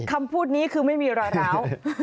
คำพูดนี้คือไม่มีรอยร้าว